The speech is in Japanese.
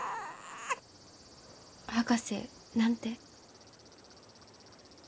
博士何て？